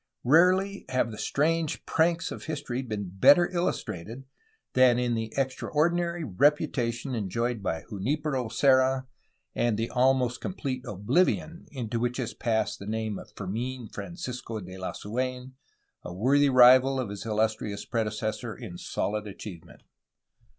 Rarely have the strange pranks of history been better illustrated than in the extraordinary reputation enjoyed by Junipero Serra and the almost complete oblivion into which has passed the name of Fermin Francisco de Lasu^n, a worthy rival of his illustrious predecessor in solid achievement.